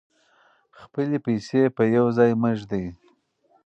خپلې پیسې په یو ځای مه ږدئ.